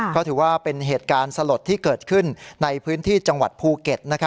ก็ถือว่าเป็นเหตุการณ์สลดที่เกิดขึ้นในพื้นที่จังหวัดภูเก็ต